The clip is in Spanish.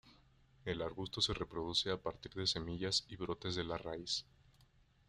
El arbusto se reproduce a partir de semillas y brotes de la raíz.